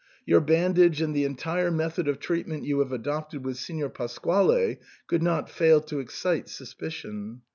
Your bandage and the entire method of treatment you have adopted with Signor Pasquale could not fail to excite suspicion.